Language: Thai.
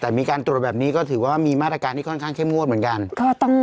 แต่มีการตรวจแบบนี้ก็ถือว่ามีมาตรการที่ค่อนข้างเข้มงวดเหมือนกัน